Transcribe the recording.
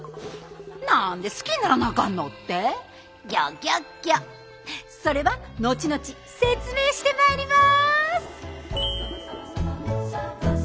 「何で好きにならなあかんの」って？それは後々説明してまいります。